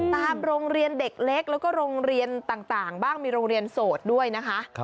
ตามโรงเรียนเด็กเล็กแล้วก็โรงเรียนต่างบ้างมีโรงเรียนโสดด้วยนะคะ